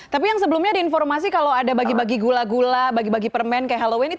tapi yang sebelumnya di informasi kalau ada bagi bagi gula gula bagi bagi permen kayak halloween